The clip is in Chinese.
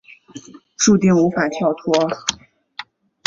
注定无法跳脱